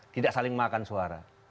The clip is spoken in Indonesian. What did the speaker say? tidak saling makan suara